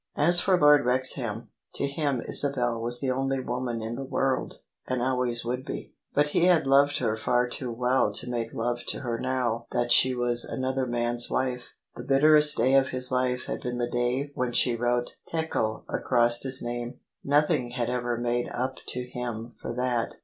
As for Lord Wrexham, to him Isabel was the only woman in the world, and always would be: but he had loved her far too well to make love to her now that she was another man's wife. The bitterest day of his life had been the day when she wrote Tekel across his name: nothing had ever made up to him for that.